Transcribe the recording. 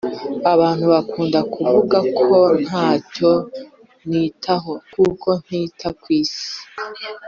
Abantu bakunda kuvuga ko ntacyo nitaho kuko ntita kw’isi